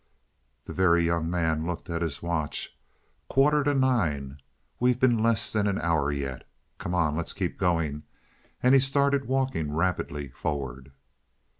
The Very Young Man looked at his watch. "Quarter to nine. We've been less than an hour yet. Come on, let's keep going," and he started walking rapidly forward.